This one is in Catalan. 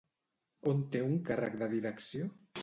On té un càrrec de direcció?